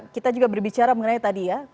kita juga berbicara mengenai tadi ya